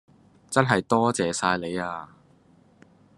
真係多謝晒你呀